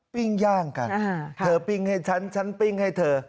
ปิ้งย่างกันเธอปิ้งให้ฉันฉันปิ้งให้เธอ